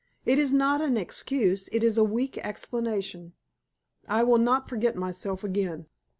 It is not an excuse; it is a weak explanation. I will not forget myself again."